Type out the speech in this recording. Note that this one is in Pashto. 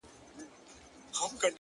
وځم له كوره له اولاده شپې نه كوم!!